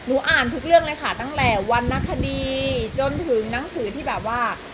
อ่านทุกเรื่องเลยค่ะตั้งแต่วันนคดีจนถึงหนังสือที่แบบว่า